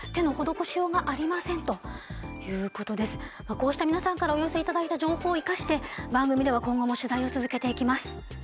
こうした皆さんからお寄せいただいた情報を生かして番組では今後も取材を続けていきます。